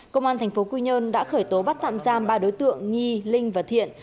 công an thành phố quy nhơn đã khởi tố bắt tạm giam ba đối tượng nhi linh và thiện